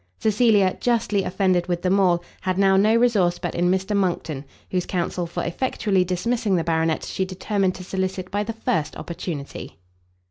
Cecilia, justly offended with them all, had now no resource but in Mr. Monckton, whose counsel for effectually dismissing the baronet, she determined to solicit by the first opportunity.